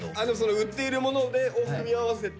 売っているものを組み合わせて。